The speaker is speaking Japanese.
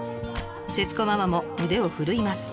節子ママも腕を振るいます。